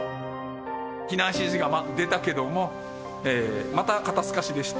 避難指示が出たけども、また肩透かしでした。